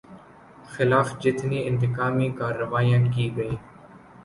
خلاف جتنی انتقامی کارروائیاں کی گئیں